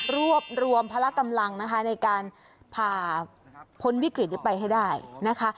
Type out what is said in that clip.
รวบรวมพละกำลังนะคะในการผ่าพ้นวิกฤตนี้ไปให้ได้นะคะ